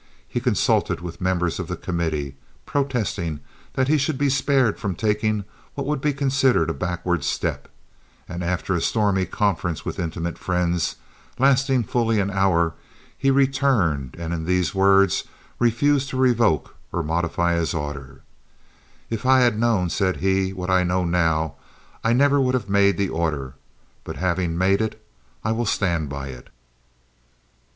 He consulted with members of the committee, protesting that he should be spared from taking what would be considered a backward step, and after a stormy conference with intimate friends, lasting fully an hour, he returned and in these words refused to revoke or modify his order: "If I had known," said he, "what I know now, I never would have made the order; but having made it, I will stand by it."